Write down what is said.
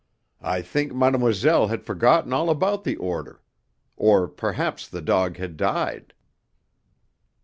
I think madamoiselle had forgotten all about the order. Or perhaps the dog had died!"